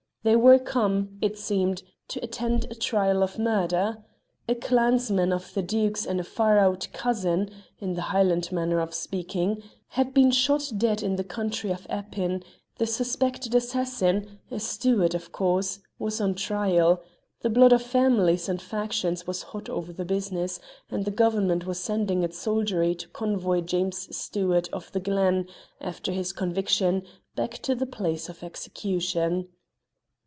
They were come, it seemed, to attend a trial for murder. A clansman of the Duke's and a far out cousin (in the Highland manner of speaking) had been shot dead in the country of Appin; the suspected assassin, a Stewart of course, was on trial; the blood of families and factions was hot over the business, and the Government was sending its soldiery to convoy James Stewart of the Glen, after his conviction, back to the place of execution.